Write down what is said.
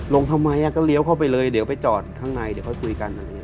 ลงทำไมก็เลี้ยวเข้าไปเลยเดี๋ยวไปจอดข้างในเดี๋ยวค่อยคุยกัน